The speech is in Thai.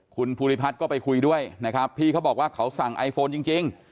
คุณภูริพัฒน์ก็ไปคุยด้วยนะครับพี่เขาบอกว่าเขาสั่งไอโฟนจริง